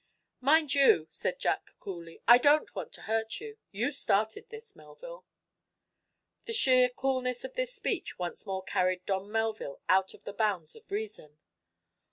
"Mind you," said Jack, coolly, "I don't want to hurt you. You started this, Melville." The sheer coolness of this speech once more carried Don Melville out of the bounds of reason.